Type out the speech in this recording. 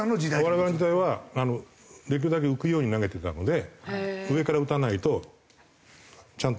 我々の時代はできるだけ浮くように投げてたので上から打たないとちゃんと高くならない。